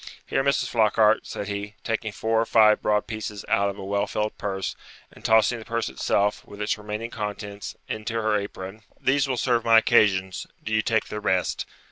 Here, Mrs. Flockhart,' said he, taking four or five broad pieces out of a well filled purse and tossing the purse itself, with its remaining contents, into her apron, 'these will serve my occasions; do you take the rest.